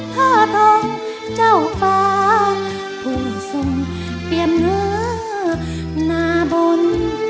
ถ้ากองเจ้าฟ้าภูมิทรงเตรียมเนื้อนาบุญ